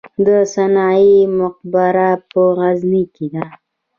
د سنايي مقبره په غزني کې ده